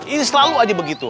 ini selalu aja begitu